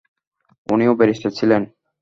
উনিও ব্যারিস্টার ছিলেন।